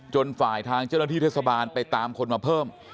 ฝ่ายทางเจ้าหน้าที่เทศบาลไปตามคนมาเพิ่ม